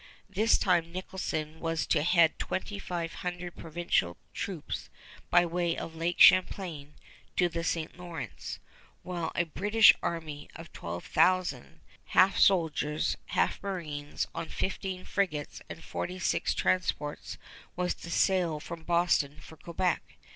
This time Nicholson was to head twenty five hundred provincial troops by way of Lake Champlain to the St. Lawrence, while a British army of twelve thousand, half soldiers, half marines, on fifteen frigates and forty six transports, was to sail from Boston for Quebec.